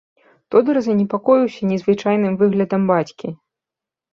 Тодар занепакоіўся незвычайным выглядам бацькі.